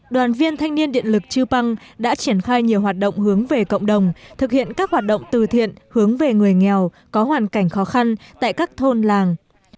đoàn viên thanh niên điện lực chư păng đã triển khai nhiều hoạt động hướng về cộng đồng thực hiện các hoạt động từ thiện hướng về người nghèo có hoàn cảnh khó khăn tại các thôn làng